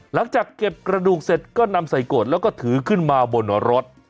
หลังจากเก็บกระดูกเสร็จก็นำใส่โกรธแล้วก็ถือขึ้นมาบนรถ